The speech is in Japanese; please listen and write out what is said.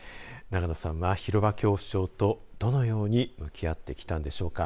永野さんは、広場恐怖症とどのように向き合ってきたのでしょうか。